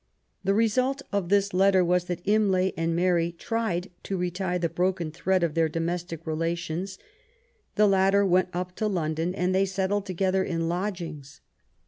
, The result of this letter was that Imlay and Mary tried to retie the broken thread of their domestic rela tions. The latter went up to London, and they settled together in lodgings.